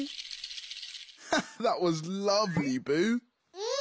うん！